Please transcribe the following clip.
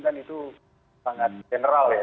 kan itu sangat general ya